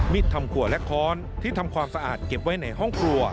ทำขัวและค้อนที่ทำความสะอาดเก็บไว้ในห้องครัว